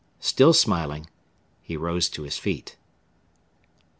Still smiling, he rose to his feet.